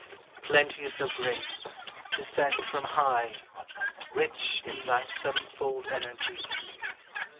Plenteous of grace, descend from high, Rich in thy seven fold energy!